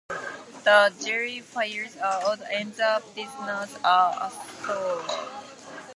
The galley fires are out and the prisoners are ashore.